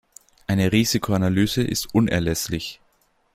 Eine Risikoanalyse ist unerlässlich.